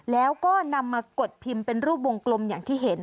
แล้วก็นำมากดพิมพ์เป็นรูปวงกลมอย่างที่เห็น